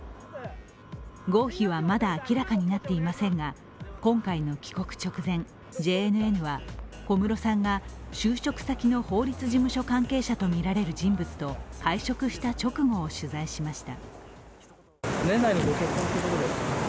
合否はまだ明らかになっていませんが今回の帰国直前、ＪＮＮは小室さんが就職先の法律事務所関係者とみられる人物と会食した直後を取材しました。